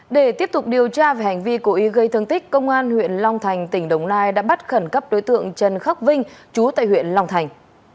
để tiếp tục điều tra về hành vi cố ý gây thương tích công an huyện long thành tỉnh đồng nai đã bắt khẩn cấp đối tượng trần khắc vinh chú tại huyện long thành